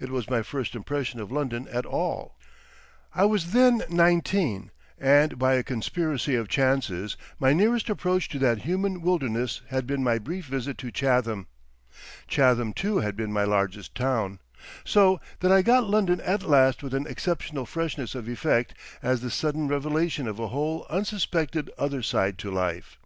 It was my first impression of London at all. I was then nineteen, and by a conspiracy of chances my nearest approach to that human wilderness had been my brief visit to Chatham. Chatham too had been my largest town. So that I got London at last with an exceptional freshness of effect, as the sudden revelation of a whole unsuspected other side to life.